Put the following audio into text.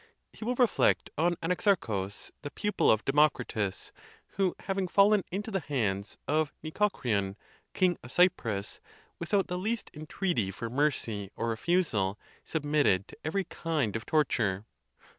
He will reflect on Anaxarchus, the pupil of Democritus, who, having fall en into the hands of Nicocreon, King of Cyprus, without the least entreaty for mercy or refusal, submitted to every kind of torture.